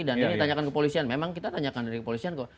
dan ini ditanyakan kepolisian memang kita tanyakan dari kepolisian kok